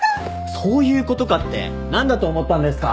「そういうことか！」って何だと思ったんですか。